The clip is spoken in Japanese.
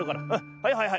はいはいはい。